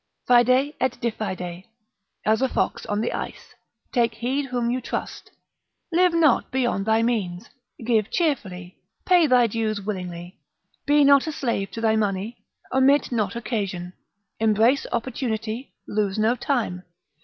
Fide et diffide, as a fox on the ice, take heed whom you trust. Live not beyond thy means. Give cheerfully. Pay thy dues willingly. Be not a slave to thy money; omit not occasion, embrace opportunity, lose no time.